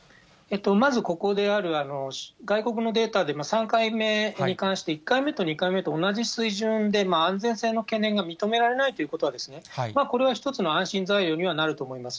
まずここである外国のデータで今、３回目に関して、１回目と２回目と同じ水準で安全性の懸念が認められないということは、これは一つの安心材料にはなると思います。